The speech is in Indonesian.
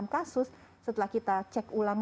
enam kasus setelah kita cek ulang